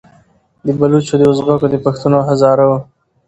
د بــــلوچـــو، د اُزبـــــــــــــــــکو، د پــــښــــتــــون او هـــــزاره وو